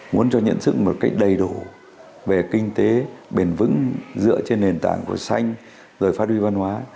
muốn cho nhận thức một cách đầy đủ về kinh tế bền vững dựa trên nền tảng của xanh rồi phát huy văn hóa